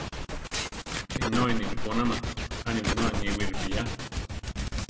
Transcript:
Binói ni ripúnama, a ni binói níwi ripiyá.